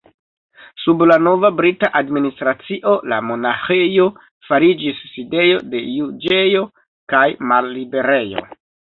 Sub la nova brita administracio la monaĥejo fariĝis sidejo de juĝejo kaj malliberejo.